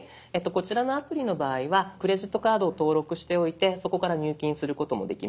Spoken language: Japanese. こちらのアプリの場合はクレジットカードを登録しておいてそこから入金することもできます